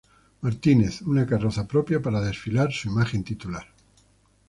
Martínez: una carroza propia para desfilar su imagen titular.